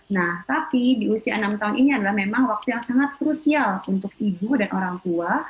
nah tapi di usia enam tahun ini adalah memang waktu yang sangat krusial untuk ibu dan orang tua